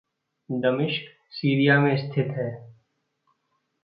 दमिश्क सीरिया में स्थित है।